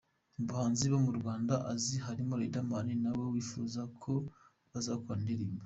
Mu bahanzi bo mu Rwanda azi harimo Riderman na we yifuza ko bazakorana indirimbo.